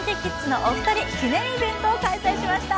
ＫｉｎＫｉＫｉｄｓのお二人、記念イベントを開催しました。